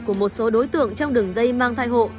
của một số đối tượng trong đường dây mang thai hộ